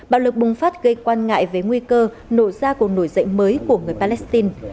bạo lực bùng phát gây quan ngại về nguy cơ nổ ra cuộc nổi dậy mới của người palestine